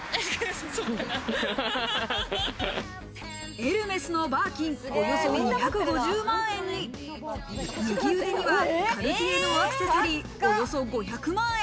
エルメスのバーキンおよそ２５０万円に右腕にはカルティエのアクセサリー、およそ５００万円。